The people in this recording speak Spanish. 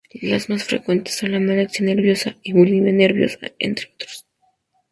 Los más frecuentes son la anorexia nerviosa y bulimia nerviosa, entre otros.